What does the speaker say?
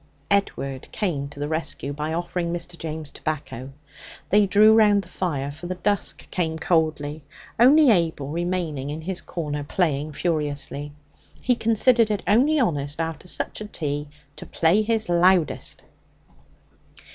Edward came to the rescue by offering Mr. James tobacco. They drew round the fire, for the dusk came coldly, only Abel remaining in his corner playing furiously. He considered it only honest, after such a tea, to play his loudest.